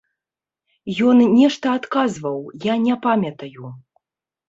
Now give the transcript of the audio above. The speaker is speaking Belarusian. Ён нешта адказваў, я не памятаю.